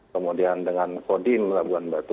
kemudian dengan kodim labuan batu